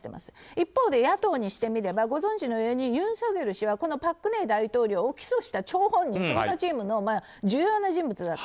一方で、野党にしてみればご存じのようにユン・ソギョル氏は朴槿惠前大統領を起訴した張本人捜査チームの重要な人物だと。